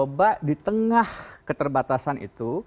coba di tengah keterbatasan itu